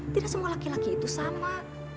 tidak semua laki laki itu sama